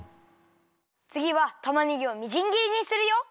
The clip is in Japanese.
つぎはたまねぎをみじんぎりにするよ。